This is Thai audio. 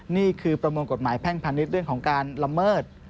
นี่คือประมวลกฎหมายแพ่งพาณิชย์เรื่องของการละเมิด